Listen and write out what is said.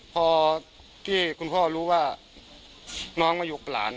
พอที่คุณพ่อรู้ว่าน้องมาอยู่กับหลาน